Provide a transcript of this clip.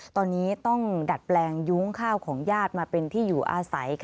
ตอนนี้ต้องดัดแปลงยุ้งข้าวของญาติมาเป็นที่อยู่อาศัย